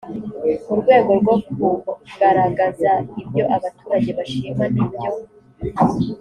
mu rwego rwo kugaragaza ibyo abaturage bashima n ibyo